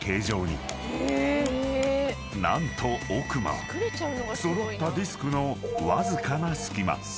［何と奥間揃ったディスクのわずかな隙間